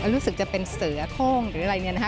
รู้สึกจะเป็นเสือโค้งหรืออะไรอย่างนี้